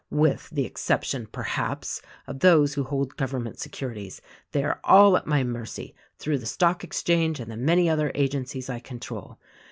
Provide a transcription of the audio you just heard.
With the exception, perhaps, of those who hold govern ment securities, they are all at my mercy, through the stock exchange and the many other agencies I control.